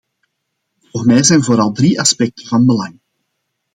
Voor mij zijn vooral drie aspecten van belang.